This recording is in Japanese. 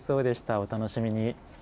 お楽しみに。